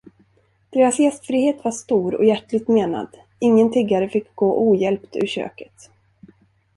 Deras gästfrihet var stor och hjärtligt menad, ingen tiggare fick gå ohjälpt ur köket.